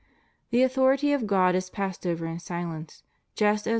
The authority of God is passed over in silence, just as i!